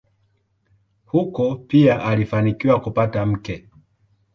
Huko pia alifanikiwa kupata mke.